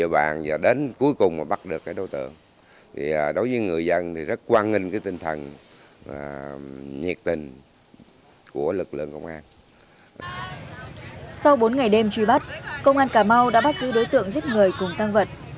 hãy đăng ký kênh để ủng hộ kênh của mình nhé